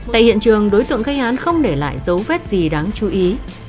tại hiện trường đối tượng gây án không để lại dấu vết gì đáng chú ý